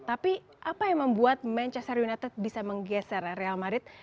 tapi apa yang membuat manchester united bisa menggeser real madrid